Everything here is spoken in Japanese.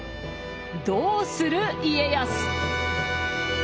どうする家康。